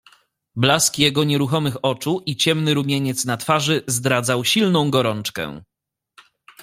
"Blask jego nieruchomych oczu i ciemny rumieniec na twarzy zdradzał silną gorączkę."